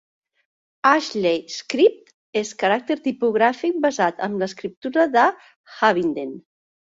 Ashley Script és caràcter tipogràfic basat en l'escriptura de Havinden.